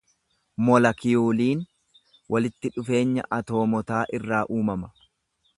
Molakiyuuliin walitti dhufeenya atoomotaa irraa uumama.